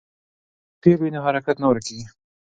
که فعل وي نو حرکت نه ورکېږي.